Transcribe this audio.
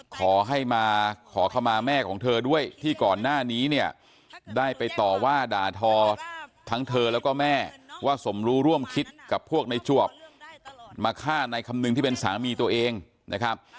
ขอให้มาขอเข้ามาแม่ของเธอด้วยที่ก่อนหน้านี้เนี่ยได้ไปต่อว่าด่าทอทั้งเธอแล้วก็แม่ว่าสมรู้ร่วมคิดกับพวกในจวบมาฆ่าในคำนึงที่เป็นสามีตัวเองนะครับ